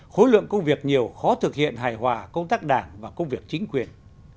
khối lượng công việc nhiều khó thực hiện hài hòa công tác đảng và công việc chính quyền